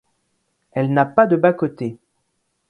Elle n'a pas de bas-côtés.